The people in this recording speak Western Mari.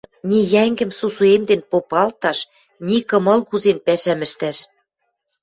Ни йӓнгӹм сусуэмден попалташ, ни кымыл кузен пӓшӓм ӹштӓш!..